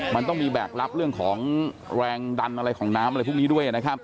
มันต้องมีแบกรับเรื่องของแรงดันอะไรของน้ำอะไรพวกนี้ด้วยนะครับ